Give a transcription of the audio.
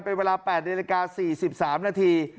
เป็นเวลา๘นาฬิกา๔๓นาที